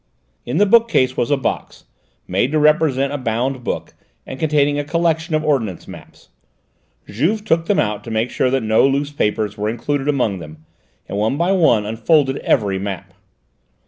In the bookcase was a box, made to represent a bound book, and containing a collection of ordnance maps. Juve took them out to make sure that no loose papers were included among them, and one by one unfolded every map.